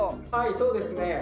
はいそうですね。